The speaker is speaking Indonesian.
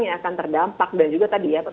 yang akan terdampak dan juga tadi ya